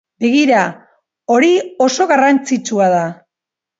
Begira, hori oso garrantzitsua da.